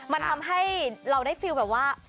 มันทำให้เราได้ฟิลแบบว่า